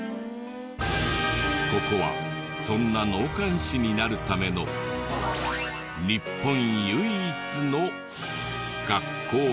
ここはそんな納棺師になるための日本唯一の学校だった。